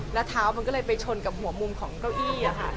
แล้วเท้ามันก็เลยไปชนกับหัวมุมของเก้าอี้ค่ะ